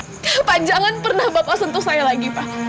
bapak jangan pernah bapak sentuh saya lagi pak